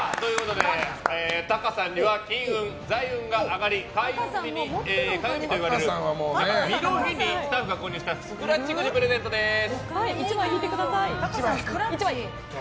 タカさんには金運財運が上がり開運だといわれる巳の日にスタッフが購入したスクラッチくじをプレゼントです。